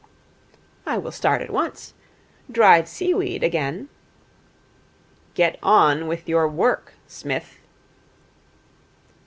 'I will start at once. Dried seaweed, again ' 'Get on with your work, Smith.'